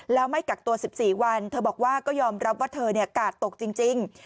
แล้วไม่กักตัว๑๔วันเธอบอกว่าก็ยอมรับว่าเธอกาดตกจริง